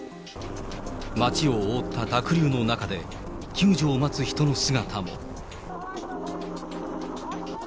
町を覆った濁流の中で、救助を待つ人の姿も。